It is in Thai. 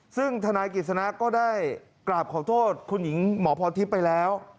ซึ่งธนายกิจสนะก็ได้กราบขอโทษคุณหญิงหมอพรทิพย์ไปแล้ว